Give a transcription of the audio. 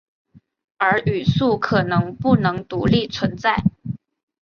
而语素可能不能独立存在。